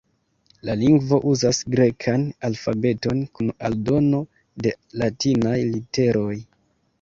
La lingvo uzas grekan alfabeton kun aldono de latinaj literoj.